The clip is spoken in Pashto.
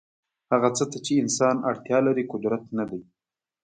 هغه څه ته چې انسان اړتیا لري قدرت نه دی.